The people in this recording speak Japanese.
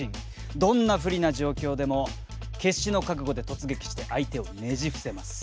どんな不利な状況でも決死の覚悟で突撃して相手をねじ伏せます。